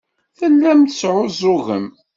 Tellam tesɛuẓẓugem.